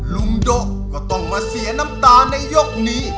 โดะก็ต้องมาเสียน้ำตาในยกนี้